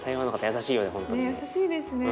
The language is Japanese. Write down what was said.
優しいですね。